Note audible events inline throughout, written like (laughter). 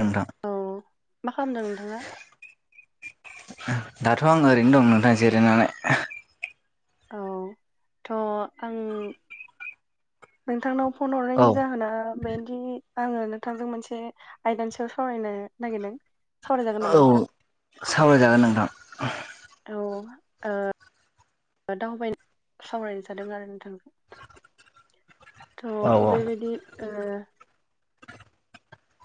ओं नोंथां औ मा खालामदों नोंथाङा दाथ' आं ओरैनो दं नोंथां जिरायनानै औ थ' आं नोंथांनाव फन औ हरनायनि जाहोना बेनोदि आङो नोंथांजों मोनसे आयदानि सावरायनो नागिरदों। सावरायजागोन नामा नोंथां सावरायजागोन नोंथां औ ओ दावबायनो सावरायनो थादों आरो नोंथां थ' औ बेबायदि ओ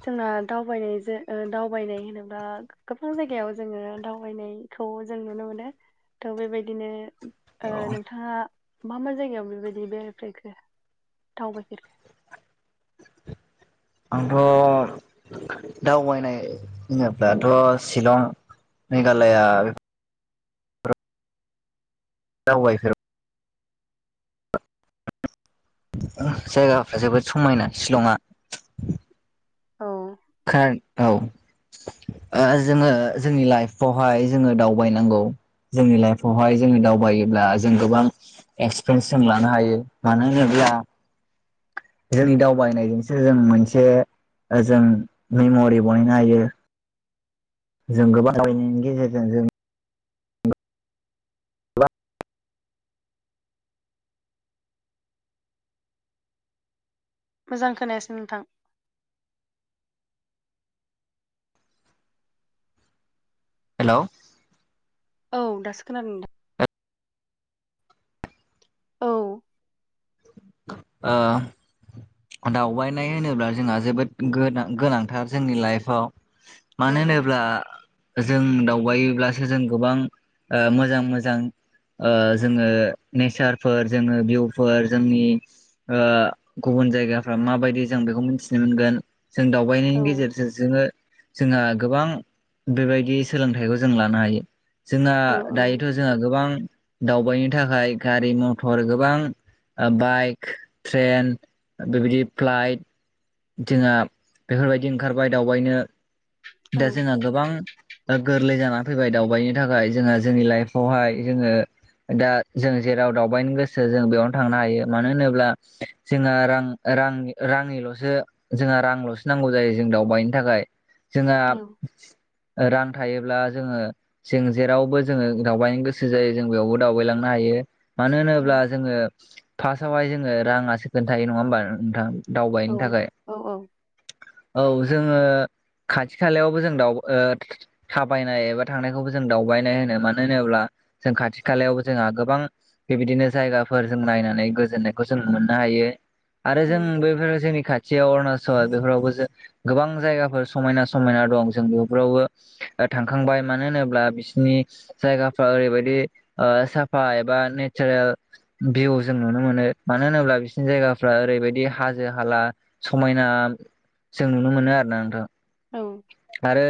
जोंना दावबायनाय होनोब्ला गोबां जायगायाव जोंङो दावबायनाय खौ जों नुनो मोनो थ' बेबायदिनो ओ नोंथाङा मा मा जायगायाव बेबायदि बेराय फेरखो दावबायफेरखो आं थ' दावबायनाय हफथ' शिलं मेघालया दावबाय फेर जायगाफ्रा जोबोद समायना शिलंआ औ खोनादोंना औ ओ जोंङो जोंनि लाइफावहाय जोंङो दावबायनांगौ जोंनि लाइफआवहाय जोंनि दावबायोब्ला जों गोबां एक्सपिरियेन्स जों लानो हायो मानो होनोब्ला जोंनि दावबायनायजोंसो जों मोनसे जों मेमरि बानायनो हायो। जों गोबां औ दाबायनायनि गेजेरजों जों बां मोजां खोनायासै नोंथां? हेल' औ दासो खोनादों। औ ओ दावबायनाय होनोब्ला जोंहा जोबोदां गोनां गोनांथार जोंनि लाइफआव। औ मानो होनोब्ला जों दावबब्लासो जों गोबां ओ मोजां मोजां ओ जोङो नेचारफोर जोङो भिउफोर जोंनि ओ गुबुन जायग जायगाफ्रा माबायदि जों बेखौ मिथिनो मोनगोन जों औ दावबायनायनि गेजेरजों जोङो जोंहा गोबां बेबायदि सोलोंथाइखौ जों लानो हायो। जोंहा औ दायोथ' जोंहा गोबां दावबायनो थाखाय गारि मथर गोबां बाइक ट्रेन बेबायदि फ्लाइक जोंहा बेफोरबायदि ओंखारबाय दावबायनो औ दा जोंहा गोबां गोरलै जानानै फैबाय दावबायनि थाखाय जोंहा जोंनि लाइफआवहाय जोङो दा जों जेराव दावबायनो गोसो जों बेयावनो थांनो हायो मानो होनोब्ला जोना रां रां रांनिल'सो जोंहा रांल'सो नांगौ जायो जों दावबायनो थाखाय। जोंहा औ रां थायोब्ला जोङो जों जेरावबो जोङो दावबायनो गोसो जायो जों बेयावबो दावबायलांनो हायो। मानो औ होनोब्ला जोङो फार्स्टावहाय जोङो राङासो खोन्थायो नङा होमबा नोंथां? औ दावबायनो थाखाय औ औ औ जोङो खाथि खालायावबो जों दाउ ओ थाबायनाय एबा थांनायखौबो जों दावबायनाय होनो मानो होनोब्ला जों खाथि खालायावबो जोंहा गोबां बेबायदिनो जायगाफोर जों नायनानै गोजोननायखौ जों मोननो हायो। आरो जों बेफोर जोंनि खाथियाव अरुणाचल बेफोरावबो जों गोबां जायगाफोर समायना समायना दं जों बेफोरावबो थांखांबाय मानो होनोब्ला बिसिनि जायगाफ्रा ओरैबायदि साफा एबा नेचारेल भिउ जों नुनो मोनो मानो होनोब्ला बिसोरनि जायगाफ्रा ओरैबायदि हाजो हाला समायना जों नुनो मोनो आरोना नोंथ'। औ आरो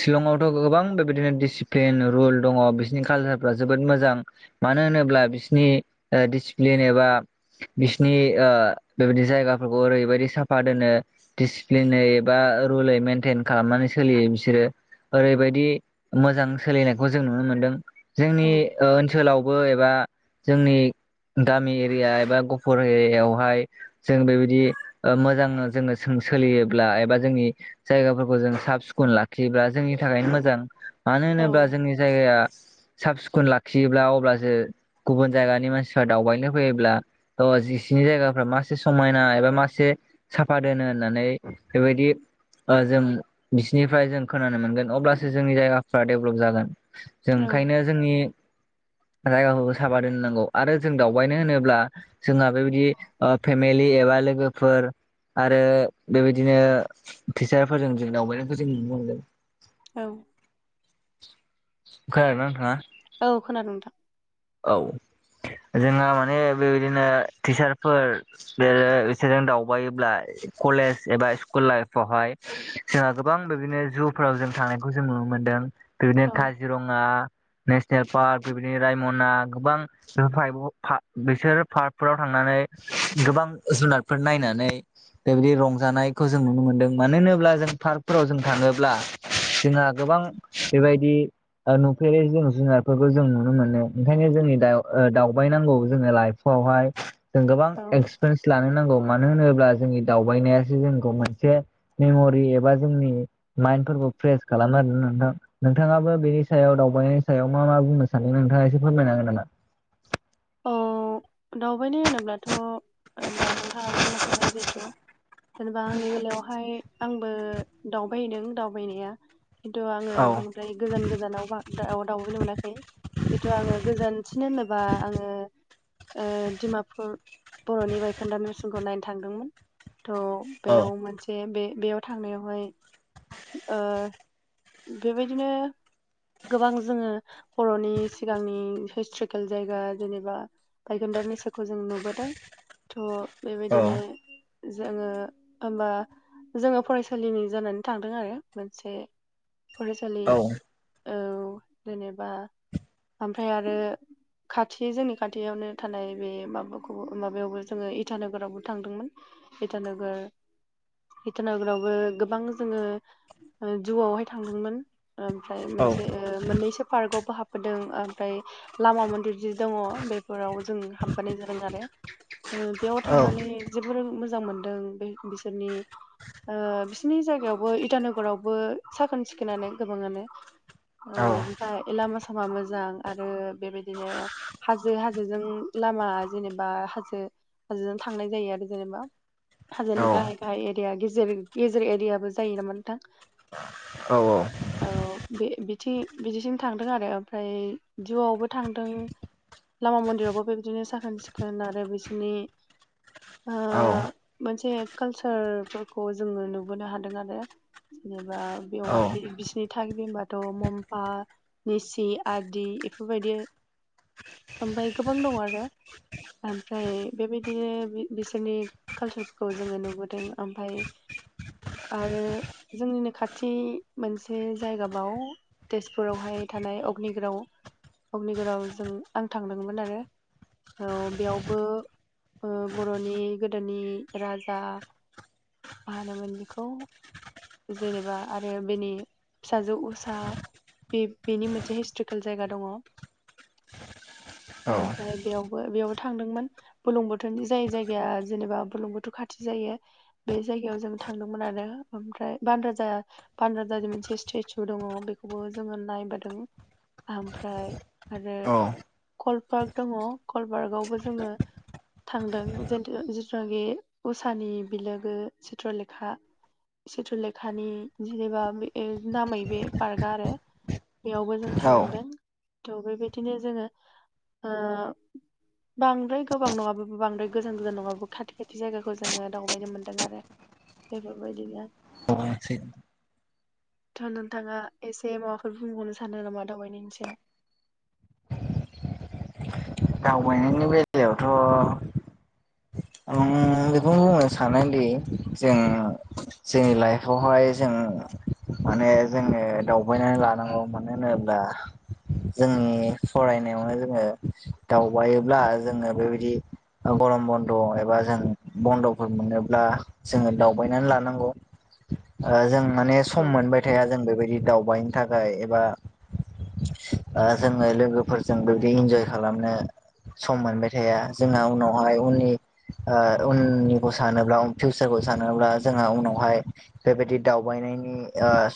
शिलंआवथ' गोबां बेबायदिनो डिसिप्लिन रुल दङ बिसोरनि कालसारफ्रा जोबोद मोजां। मानो होनोब्ला बिसिनि दिडिसिप्लिन एबा बिसनि ओ बेबायदि जायगाफोरखौ ओरैबायदि साफा दोनो दिसिप्लिनै एबा रुलै मेनटेन खालामनानै सोलियो बिसोरो ओरैबायदि मोजां सोलिनायखौ जों नुनो मोनदों जोंनि ओ ओनसोलावबो एबा जोंनि गामि एरिया एबा गुफुर एरियायावहाय जों बेबायदि ओ मोजां जोङो सोलियोब्ला एबा जोंनि जायगाफोर खौ जों साब सिखुन लाखियोब्ला जोंनि थाखायनो मोजां मानो होनोब्ला जोंनि जायगाया साब सिखोन लाखियोब्ला अब्लासो गुबुन जायगानि मानसिफ्रा दावबायनो फैयोब्ला अ इसिनि जायगाफ्रा मा मासे समायना एबा मासे साफा दोनो होननानै बेबायदि ओ जों बिसिनिफ्राय जों खोनानो मोनगोन अब्लासो जोंनि जायगाफ्रा डेभेलप जागोन जों औ ओंखायनो जोंनि रायगाखौ साबादोननांगौ आरो जों दावबायनो होनोब्ला जोंहा बेबायदि ओ फेमे लि एबा लोगोफोर आरो बेबायदिनो टिचारफोरजों जों दाववबायनायखौ जों नुनो मोनदों औ खोनादों ना नोंथाङा? औ खोनादों नोंथां औ जोंहा माने बेबायदिनो टिचारफोर जेरै बिसोरजों दावबायोब्ला कलेज एबा स्कुल लाइफावहाय जोंहा गोबां बिदिनो जुफोराव जों थांनायखौ जों नुनो मोनदों बेबायदिनो औ काजिरङा नेसनेल पार्क बेबायदिनो रायमना गोबां बेफोर फाइभाव बिसोर आरो पार्कफोराव थांनानै गोबां जुनारफोर नायनानै बेबायदि रंजानायखौ जों नुनो मोनदों मानो होनोब्ला जों पार्कफोराव जों थाङोब्ला जोंहा गोबां बेबायदि ओ नुफेरै जों जुनारफोरखौ जों नुनो मोनो ओंखायनो जोंनि दाव ओ दावबायनांगौ जोङो लाइफआवहाय जों गोबां औ एक्स फेरेनस लानो नांगौ मानो होनोब्ला जोंनि दावबायनायासो जोंखौ मोनसे मेमरि एबा जोंनि माइन्न्दफोरखौ फ्रेस खालामो आरोना नोंथां नोंथाङाबो बेनि सायाव दावबायनायनि सायाव मा मा बुंनो सानोदों नोंथाङा एसे फोरमायनो होनोना? औ दावबायनाय होनोब्लाथ दा नोंथाङा बुंलाखाबाय जिहेथु जेनेबा आंनि बेलायावहाय आंबो दावबायदों दावबायनाया खिन्थु आङो औ बांद्राय गोजान गोजानावबा दा दाउ बायनो मोनाखै जिथु आङो गोजानसिन होनोबा आङो ओ दिडमापुर बरनि बायखोन्दा नेरसोनखौ नायनो थांदोंमोन थ औ बेयाव मोनसे बे बेयाव थांनायावहाय ओ बेबायदिनो गोबां जोङो बरनि सिगांनि हिस्टरकेल जायगा जेनेबा बायखोनदा नेरसोनखौ जों नुबोदों थह औ बेबायदिनो जोङो होमबा जोङो फरायसालिनि जानानै थांदों आरो मोनसे फरायसालि औ औ जेनेबा ओमफ्राय आरो से जोंनि खाथियावनो थानाय बे माबाखौ माबायावबो जोङो इटानगोरावबो थांदोंमोन इटानोगोर इटानोगोरावबो गोबां जोङो ओ जुआवहाय थांदोंमोन ओमफ्राय औ मोनसे ओ मोननैसो पार्कआवबो हाबफोदों ओमफ्राय लामा मन्दिर जि दङ बेफोराव जों हाबबोनाय जादों आरो ओ बेयाव औ औ थांनानै जोबोर मोजां मोनदों बे बिसोरनि ओ बिसिरनि जायगायावबो इटानगरावबो साखोन सिखोनानो गोबाङानो औ ओमफाय लामा सामा मोजां आरो बेबायदिनो हाजो हाजोजों लामा जेनेबा हाजो हाजोजों थांनाय जायो आरो जेनेबा औ हाजोनि गाहाय गाहाय एरिया गेजेर गेजेर एरियाबो जायो नामा नोंथां? औ औ औ बे बिथि बिदिसिम थांदों आरो ओमफ्राय जिउआवबो थांदों लामा मन्दिरावबो बेबायदिनो साखोन सिखोन आरो बिसोरनि ओ मोनसे कालसारफोरखौ जोङो नुबोनो हादों आरो जेनेबा बेवहाय बि-बिसि नि थागिबि होनबाथ मम्फा निसि आदि इफोरबायदि ओमफ्राय गोबां दं आरो ओमफ्राय बेबायदिनो बि- बिसिनि कालसारफोरखौ जोङो नुबोदों ओमफाय आरो जोंनिनो खाथि मोनसे जायगाबाव तेजपुरावहाय थानाय अग्निगराव अग्निगराव जों आं थांदोंमोन आरो औ बेयावबो ओ बर नि गोदोनि राजा माहोनोमोन बेखौ जेनेबा आरो बेनि फिसाजो उसा बे बेनि मोनसे हिस्ट'रिकेल जायगा दङ। ओमफ्राय बेयावबो बेयावबो थांदोंमोन। बुरलुंबुथुरनि जाय जायगाया जेनेबा बुरलुंबुथुर खाथि जायो। बे जायगायाव जों थांदोंमोन आरो ओमफ्राय बानद्राजा बानराजानि मोनसे स्टेचु दङ बेखौबो जोङो नायबोदों। आमफ्राय आरो कलपार्क दङ कलपार्कआवबो जोङो थांदों जिथुनाखि उसानि बिलोगो चित्रलेखा। सिथ्रलेखानि जेनेबा बे नामै बे पार्कआ आरो। बेयावबो जों औ थांदों थ' बेबायदिनो जोङो ओ बांद्राय गोबां नङाबाबो बांद्राय गोजान गोजान नङाबो खाथि खाथि जायगाखौ जोङो दावबायनो मोन्दों आरो। बेफोरबायदिनो (inaudible) थ' नोंथाङा एसे माबाफोर बुंबावनो सानो नामा दावबायनायनि सायाव? दावबायनायनि बेलायावथ' आं बेखौ बुंनो सानोदि जों जोंनि लाइफआवहाय जों माने जोङो दावबायनानै लानांगौ मानो होनोब्ला जोंनि फरायनायावनो जोङो दावबायोब्ला जोङो बेबायदि गरम बन्द' एबा जों बन्द'फोर मोनोब्ला जोङो दावबायनानै लानांगौ। ओ जों माने औ सम मोनबाय थाया जों बेबायदि दावबायनो थाखाय एबा जोङो लोगोफोरजों बेदि इन्जय खालामनो। सम मोनबाय थाया। जोंहा उनावहाय उननि ओ उननिखौ सानोब्ला फिउसारखौ सानोब्ला जोंहा उनावहाय बेबायदि दावबायनायनि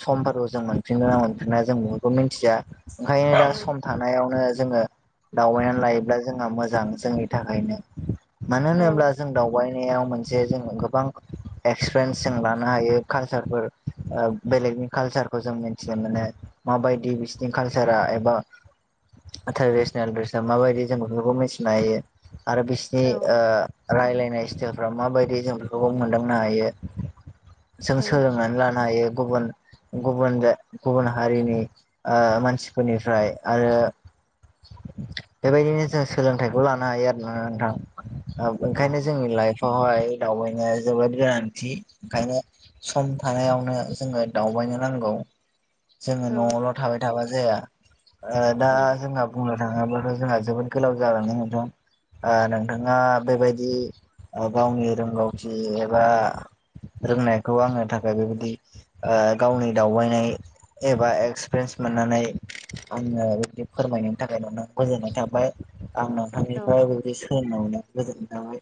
समफोरखौ जों मोनफिननो ना मोनफिना जों बेखौ मिथिया। ओंखायनो दा सम थानायावनो जोङो दावबायनानै लायोब्ला जोंहा मोजां जोंनि थाखायनो। मानो औ होनोब्ला जों दावबायनायाव मोनसे जों गोबां एक्सपेरियेन्स जों लानो हायो कालसारफोर बेलेगनि कालचारखौ जों मिथिनो मोनो माबायदि बिसिनि कालचारा एबा ट्रेडिसनेल ड्रेसा माबायदि जों बेफोरखौ मिथिनो हायो आरो बिसि जि औ ओ रायलायनाय स्टाइलफ्रा माबायदि जों बेफोरखौबो मोनदांनो हायो। जों औ सोलोंनानै लानो हायो गुबुन गुबुन गुबुन हारिनि ओ मानसि फोरनिफ्राय आरो बेबायदिनो जों सोलोंथाइखौ लानो हायो आरो ना नोंथां। औ ओंखायनो जोंनि लाइफआवहाय दावबायनाया जोबोद गोनांथि ओंखायनो सम थानायावनो जोङो दावबायनो नांगौ। जोङो औ न'आवल' थाबाय थाबा जाया। ओ दा औ जोंहा बुंनो थाङोब्लाथ' जोंहा जोबोद गोलाव जालांगोन नोंथां। ओ नोंथाङा बेबायदि ओ गावनि रोंगौथि एबा रोंनायखौ आंनो थाखाय बेबायदि ओ गावनि दावबायनाय एबा एक्सपिरियेन्स मोननानै आनो बेबायदि फोरमायनायनि थाखाय नोंनाव गोजोननाय थाबाय। आंनो औ नोंनिफ्राय बेबादि सोलोंनो मोन्नानै गोजोनाय थाबाय।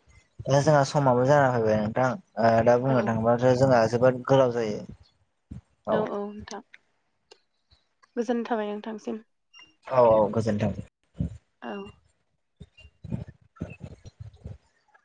दा जोंहा समाबो जाना फैबाय नोंथां ओ दा औ बुंनो थाङोबाथ जोंना जोबोद गोलाव जायो। औ औ नोंथां। गोजोन थाबाय नोंथांसिम। औ औ गोजोन्थों। औ